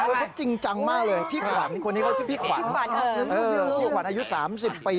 วิจันเกษตรที่ดูเมื่อเมือด้วย